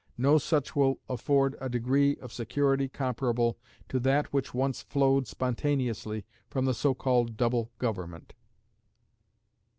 No such will afford a degree of security comparable to that which once flowed spontaneously from the so called double government.